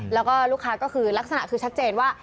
แล้วก็ลูกค้าก็คือลักษณะคือชัดเจนว่า